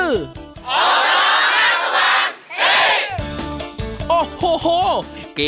อุ่มสัตว์ปลิว